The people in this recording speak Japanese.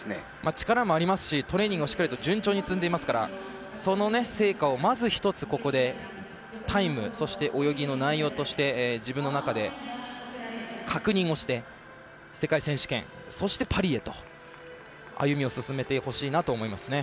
力もありますしトレーニング、しっかりと順調に積んでいますからその成果をまず一つ、ここでタイム、そして泳ぎの内容として自分の中で確認をして世界選手権、そしてパリへと歩みを進めてほしいなと思います。